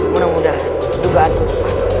mudah mudahan juga ada tempat